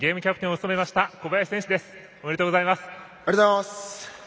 ありがとうございます。